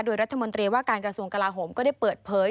โดยรัฐมนตรีว่าการกระทรวงกลาโหมก็ได้เปิดเผย